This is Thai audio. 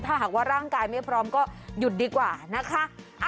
ถ้าหากว่าร่างกายไม่พร้อมก็หยุดดีกว่านะคะ